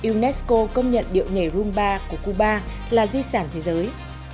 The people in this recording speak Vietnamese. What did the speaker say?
unesco công nhận điệu nhảy rumba của cuba là di sản thế giới